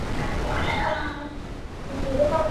• ځکه نو خپل لاسونه په رنګونو ولړي -